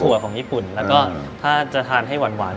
ของญี่ปุ่นแล้วก็ถ้าจะทานให้หวาน